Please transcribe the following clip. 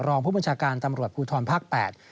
รองผู้บัญชาการตำรวจภูทรภาค๘